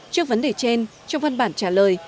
trước vấn đề trên trong văn bản trả lời